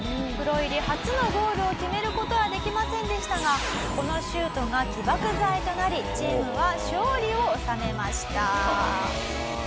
プロ入り初のゴールを決める事はできませんでしたがこのシュートが起爆剤となりチームは勝利を収めました。